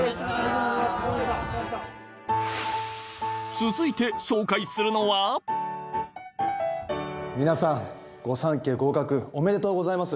続いて紹介するのは皆さんご三家合格おめでとうございます。